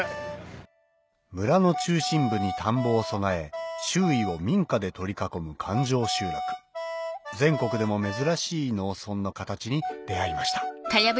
村の中心部に田んぼを備え周囲を民家で取り囲む環状集落全国でも珍しい農村の形に出合いました